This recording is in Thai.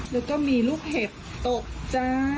แล้วก็มีลูกเห็บตกจ้า